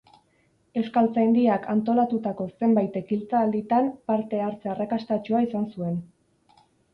Euskaltzaindiak antolatutako zenbait ekitalditan parte hartze arrakastatsua izan zuen.